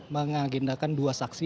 mengagendakan dua saksi